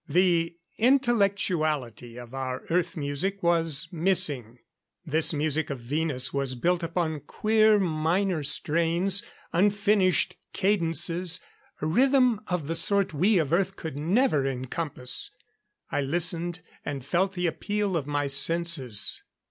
The intellectuality of our Earth music was missing. This music of Venus was built upon queer minor strains; unfinished cadences; a rhythm of the sort we of Earth could never encompass. I listened, and felt the appeal of my senses.